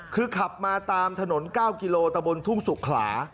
คือขับมาตามถนน๙กิโลตะบนทุ่งสุขลา